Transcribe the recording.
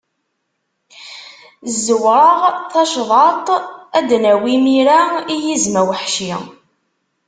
Zzewreɣ tacḍaṭ, ad d-nawi mira, i yizem aweḥci.